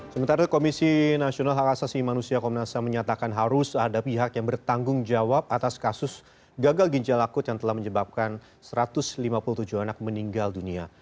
sementara itu komisi nasional hak asasi manusia komnas ham menyatakan harus ada pihak yang bertanggung jawab atas kasus gagal ginjal akut yang telah menyebabkan satu ratus lima puluh tujuh anak meninggal dunia